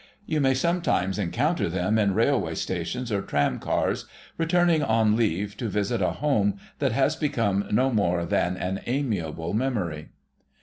You may sometimes encounter them, in railway stations or tram cars, returning on leave to visit a home that has become no more than an amiable memory.